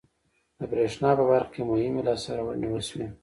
د بریښنا په برخه کې مهمې لاسته راوړنې وشوې.